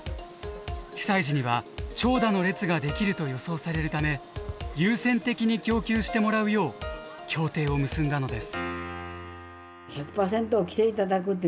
被災時には長蛇の列ができると予想されるため優先的に供給してもらうよう協定を結んだのです。